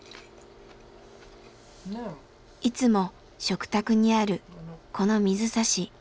いつも食卓にあるこの水差し。